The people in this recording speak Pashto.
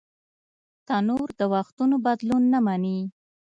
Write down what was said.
تنور د وختونو بدلون نهمني